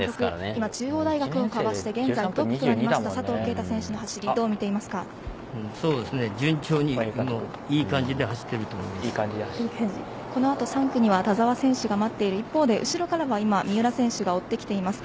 今、中央大学をかわして現在、トップとなりました佐藤圭汰選手の走りを順調にいい感じでこのあと３区には田澤選手が待っている一方で後ろからは三浦選手が追ってきています。